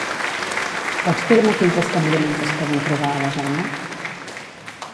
Pots dir-me quins establiments es poden trobar a la zona?